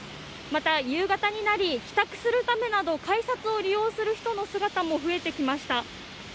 また、夕方になり帰宅するためなど改札を利用する人たちも増えてきました。